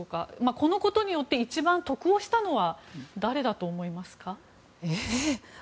このことによって一番得をしたのは誰だと思いますか？